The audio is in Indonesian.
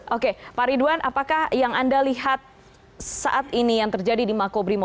oke pak ridwan apakah yang anda lihat saat ini yang terjadi di makobrimo